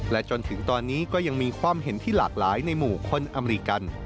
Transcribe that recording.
จนถึงตอนนี้ก็ยังมีความเห็นที่หลากหลายในหมู่คนอเมริกัน